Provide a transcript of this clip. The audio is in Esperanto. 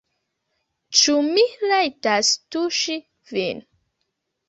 Ĉu mi rajtas tuŝi vin?